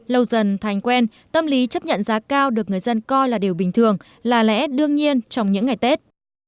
lâu dần thành quen tâm lý chấp nhận giá cao được người dân coi là điều bình thường là lẽ đương nhiên trong những ngày tết